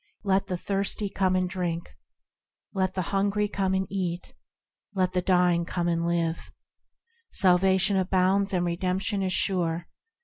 Let the thirsty come and drink, Let the hungry come and eat, Let the dying come and live, Salvation abounds, and redemption is sure.